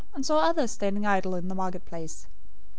} and saw others standing idle in the marketplace.